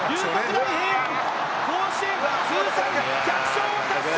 大平安甲子園通算１００勝を達成！